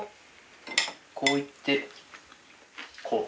こういってこう。